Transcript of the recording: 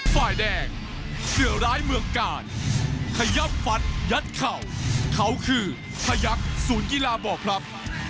ฝ่ายแดงเสือร้ายเมืองกาลขยับฟัดยัดเข่าเขาคือพยักษ์ศูนย์กีฬาบ่อพลับ